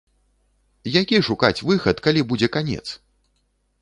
Які шукаць выхад, калі будзе канец?